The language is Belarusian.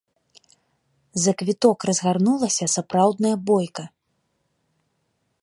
За квіток разгарнулася сапраўдная бойка.